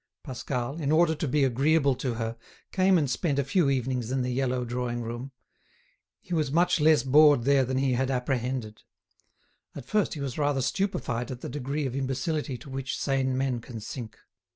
Pascal, in order to be agreeable to her, came and spent a few evenings in the yellow drawing room. He was much less bored there than he had apprehended. At first he was rather stupefied at the degree of imbecility to which sane men can sink.